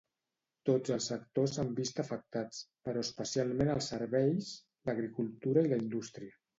Tots els sectors s'han vist afectats, però especialment els serveis, l'agricultura i la indústria.